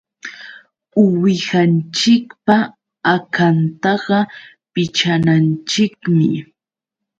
Uwihanchikpa akantaqa pichananchikmi.